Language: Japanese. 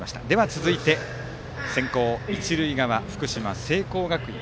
続いて、先攻の一塁側福島・聖光学院。